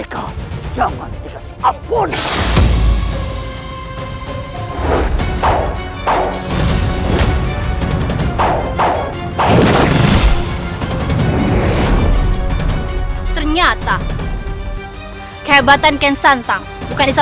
kita harus mewujudkannya sekarang juga wa